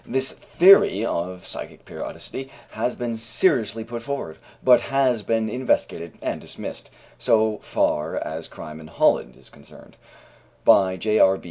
This theory of psychic periodicity has been seriously put forward, but has been investigated and dismissed, so far as crime in Holland is concerned, by J.R.